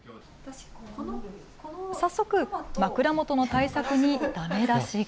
早速、枕元の対策にだめ出しが。